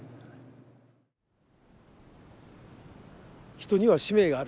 人には使命がある。